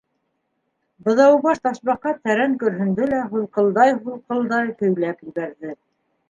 Быҙаубаш Ташбаҡа тәрән көрһөндә лә һулҡылдай-һулҡыл- дай көйләп ебәрҙе: